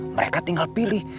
mereka tinggal pilih